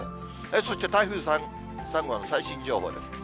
そして台風３号の最新情報です。